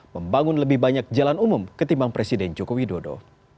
membangun lebih banyak jalan umum ketimbang presiden jokowi dodo